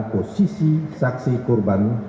posisi saksi korban